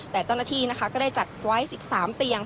แต่ต้นที่นะคะก็ได้จัดไว้สิบสามเตียง